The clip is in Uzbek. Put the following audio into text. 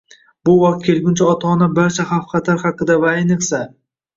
Bu vaqt kelguncha ota-ona barcha xavf-xatar haqida va, ayniqsa